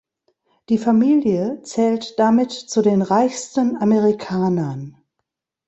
Die Familie zählt damit zu den reichsten Amerikanern.